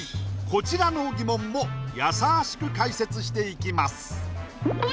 こちらの疑問もやさしく解説していきます